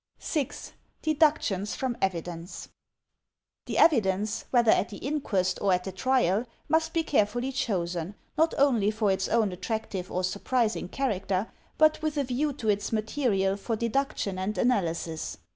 6, Deductions from Evidence The evidence, whether at the inquest or at a trial, must be carefully chosen, not only for its own attractive or surprising EVIDENCE 261 character but with a view to its material for deduction and analysis.